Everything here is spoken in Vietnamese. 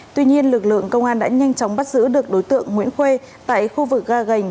tuy nhiên lực lượng công an đã nhanh chóng bắt giữ được đối tượng nguyễn khuê tại khu vực ga gành